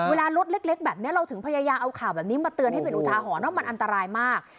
รถเล็กแบบนี้เราถึงพยายามเอาข่าวแบบนี้มาเตือนให้เป็นอุทาหรณ์ว่ามันอันตรายมาก